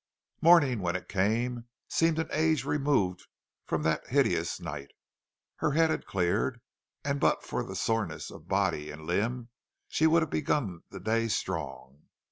Morning when it came seemed an age removed from that hideous night. Her head had cleared, and but for the soreness of body and limb she would have begun the day strong.